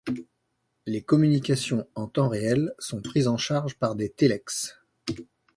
Les communications en temps réel sont prises en charge par des télex.